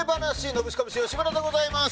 ノブシコブシ吉村でございます。